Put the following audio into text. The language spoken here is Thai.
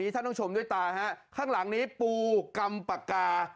ท่านต้องชมด้วยตาฮะข้างหลังนี้ปูกำปากกา